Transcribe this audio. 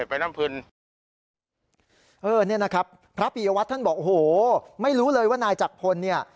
เออเนี่ยนะครับพระพิยวัตต์ท่านบอกโหไม่รู้เลยว่านายจักภ้วนเนี่ย